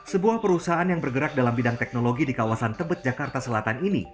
sebuah perusahaan yang bergerak dalam bidang teknologi di kawasan tebet jakarta selatan ini